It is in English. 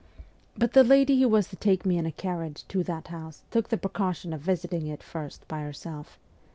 But the lady who was to take me in a carriage to that house took the precaution of visiting it first by herself.